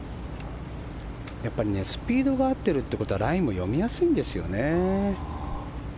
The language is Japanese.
スピードが合っているということはラインも読みやすいんです。